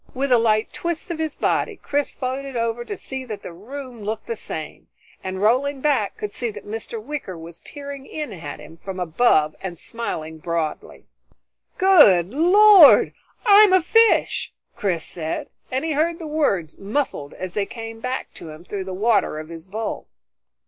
With a light twist of his body Chris floated over, to see that the room looked the same, and rolling back, could see that Mr. Wicker was peering in at him from above and smiling broadly. "Good Lord I'm a fish!" Chris said, and he heard the words muffled as they came back to him through the water of his bowl.